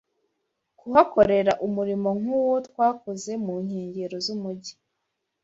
kuhakorera umurimo nk’uwo twakoze mu nkengero z’umujyi